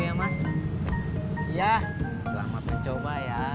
ya selamat mencoba ya